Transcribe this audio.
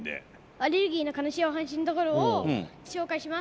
アレルギーの悲しいお話のところを紹介します。